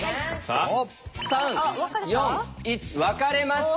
「３」「４」「１」分かれました。